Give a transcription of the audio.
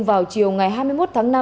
vào chiều ngày hai mươi một tháng năm